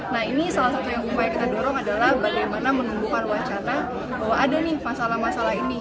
nah ini salah satu yang upaya kita dorong adalah bagaimana menumbuhkan wacana bahwa ada nih masalah masalah ini